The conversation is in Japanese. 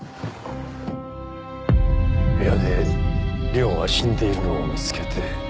部屋で里緒が死んでいるのを見つけて。